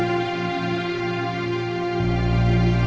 ibu mau tidur